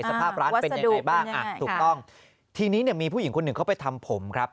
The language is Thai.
สภาพร้านเป็นอย่างไรบ้างที่นี้มีผู้หญิงคุณหนึ่งเข้าไปทำผมครับ